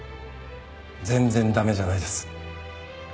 全然駄目じゃないです。